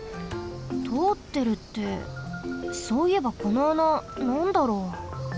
とおってるってそういえばこの穴なんだろう？